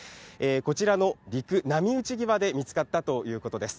こちらの陸、波打ち際で見つかったということです。